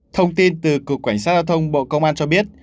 thông tin từ cục cảnh sát giao thông bộ công an cho biết